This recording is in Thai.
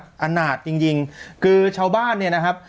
อำนาจจริงก็ชาวบ้านนะครับ